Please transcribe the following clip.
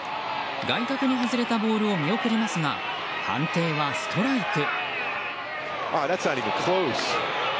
外角に外れたボールを見送りますが判定はストライク。